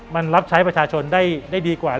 มันรับใช้ประชาชนได้ดีกว่า